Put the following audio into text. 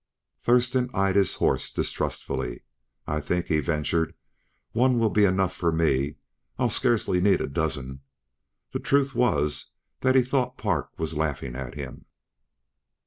Thurston eyed his horse distrustfully. "I think," he ventured, "one will be enough for me. I'll scarcely need a dozen." The truth was that he thought Park was laughing at him.